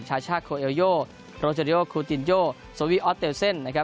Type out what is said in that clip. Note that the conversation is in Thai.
ชาชาโคเอลโยโรเจอริโยคูตินโยโสวิอสเตลเซ่น